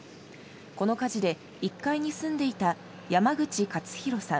この火事で１階に住んでいた山口勝弘さん